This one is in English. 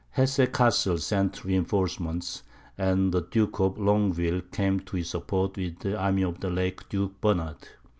Hesse Cassel sent reinforcements, and the Duke of Longueville came to his support with the army of the late Duke Bernard.